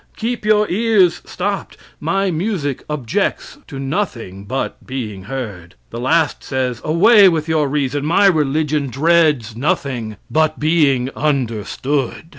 Keep your ears stopped; my music objects to nothing but being heard." The last says: "Away with your reason; my religion dreads nothing but being understood."